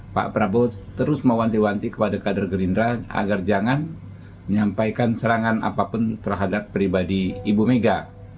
pak prabowo terus mewanti wanti kepada kader gerindra agar jangan menyampaikan serangan apapun terhadap pribadi ibu mega